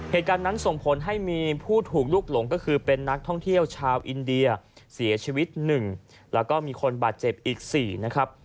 เหตุการณ์นั้นส่งผลให้มีผู้ถูกลุกหลงก็คือเป็นนักท่องเที่ยวชาวอินเดียเสียชีวิต๑แล้วก็มีคนบาดเจ็บอีก๔นะครับ